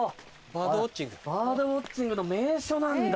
バードウオッチングの名所なんだ。